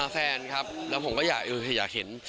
แฟนครับแล้วผมก็อยากเห็น